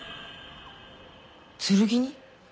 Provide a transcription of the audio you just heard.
剣に？